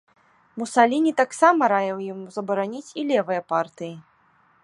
Мусаліні таксама раіў яму забараніць і левыя партыі.